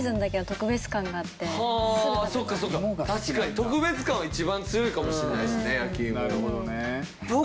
特別感は一番強いかもしれないですね焼き芋。